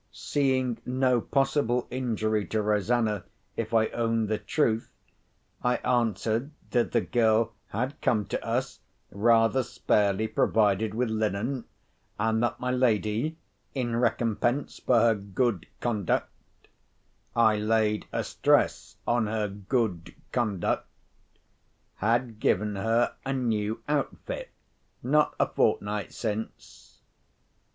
Seeing no possible injury to Rosanna if I owned the truth, I answered that the girl had come to us rather sparely provided with linen, and that my lady, in recompense for her good conduct (I laid a stress on her good conduct), had given her a new outfit not a fortnight since.